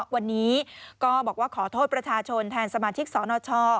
วันนี้ก็บอกว่าขอโทษประชาชนแทนสมาชิกสนช